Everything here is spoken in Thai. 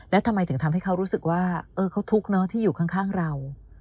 แล้วทำไมถึงทำให้เขารู้สึกว่าเออเขาทุกข์เนอะที่อยู่ข้างเรา